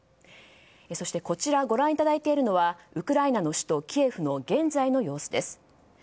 そして、こちらご覧いただいているのはウクライナの首都キエフの現在の様子です。